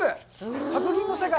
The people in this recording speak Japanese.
白銀の世界。